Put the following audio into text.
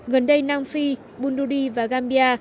gần đây nam phi bundudi và gambia